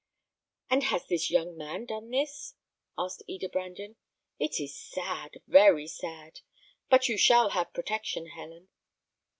"And has this young man done this?" asked Eda Brandon. "It is sad, very sad; but you shall have protection, Helen."